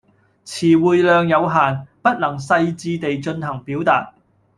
辭彙量有限，不能細致地進行表達